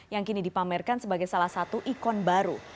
yang kini dipamerkan sebagai salah satu ikon baru